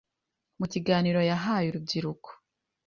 mu kiganiro yahaye urubyiruko